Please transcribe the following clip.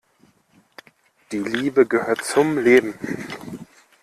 Die Liebe gehört zum Leben.